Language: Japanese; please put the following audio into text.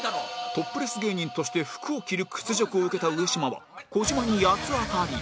トップレス芸人として服を着る屈辱を受けた上島は小島に八つ当たり